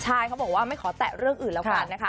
ใช่เขาบอกว่าไม่ขอแตะเรื่องอื่นแล้วกันนะคะ